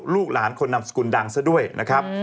ลูกหลานคนนำสกุลดังซะด้วยนะครับ